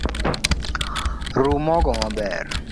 Ru mogo maber